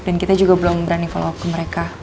dan kita juga belum berani follow up ke mereka